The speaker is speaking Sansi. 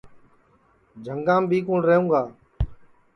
جھُنٚگام بھی کُوٹؔ رہوگا